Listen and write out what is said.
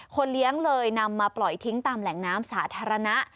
เลี้ยงเลยนำมาปล่อยทิ้งตามแหล่งน้ำสาธารณะ